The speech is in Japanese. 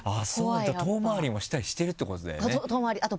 じゃあ遠回りもしたりしてるってことだよね？